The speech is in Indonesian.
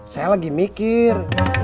saya lagi mikir